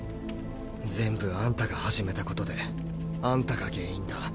全部あんたが始めたことであんたが原因だ。